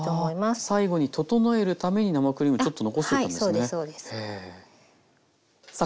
最後に整えるために生クリームちょっと残しておくんですね。